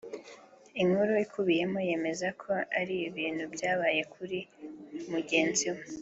Inkuru ikubiyemo yemeza ko ari ibintu byabaye kuri mugenzi we